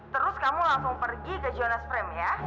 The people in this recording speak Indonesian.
terus kamu langsung pergi ke jonas frame ya